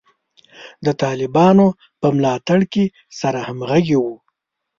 د طالبانو په ملاتړ کې سره همغږي وو.